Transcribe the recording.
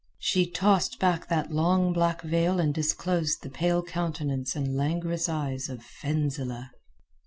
She tossed back that long black veil and disclosed the pale countenance and languorous eyes of Fenzileh.